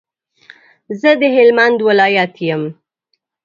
زه د هلمند ولایت یم.